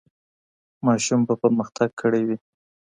ماشوم به پرمختګ کړی وي.